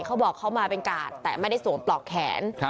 เขาบอกเขามาเป็นกาดแต่ไม่ได้สวมปลอกแขน